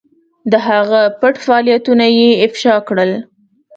د هغه پټ فعالیتونه یې افشا کړل.